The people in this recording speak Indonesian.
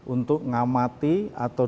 untuk mengamati atau